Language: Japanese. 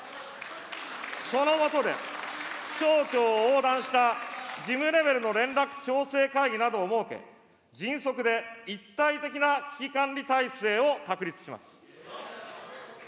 その下で、省庁を横断した事務レベルの連絡調整会議などを設け、迅速で一体的な危機管理体制を確立します。